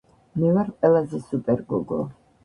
მე ვარ ყველაზე სუპერ გოგო